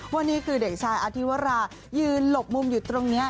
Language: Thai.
ว่านี่คือเด็กชายอธิวรายืนหลบมุมอยู่ตรงนี้